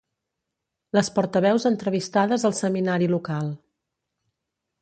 Les portaveus entrevistades al seminari local.